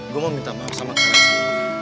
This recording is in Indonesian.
gue mau minta maaf sama kalian